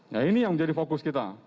nah ini yang menjadi fokus kita